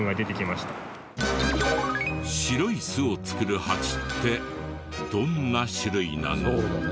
白い巣を作るハチってどんな種類なの？